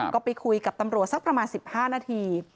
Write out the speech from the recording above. ก็ไปคุยกับตำรวจสักประมาณ๑๕นาที